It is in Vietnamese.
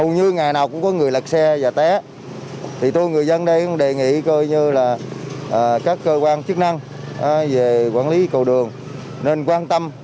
như là các cơ quan chức năng về quản lý cầu đường nên quan tâm